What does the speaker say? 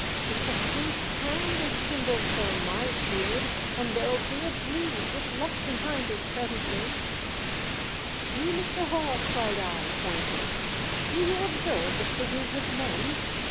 "It's a saint's hand as kindles them, I've beared, and there'll be a breeze with luck behind it presently," "See, Mr. Hall!" cried I, pointing, "do you observe the figures of men